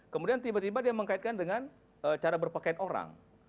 kemudian tiba tiba dia mengkaitkan dengan cara berpakaian orang